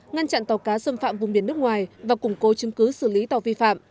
ngăn chặn tàu cá xâm phạm vùng biển nước ngoài và củng cố chứng cứ xử lý tàu vi phạm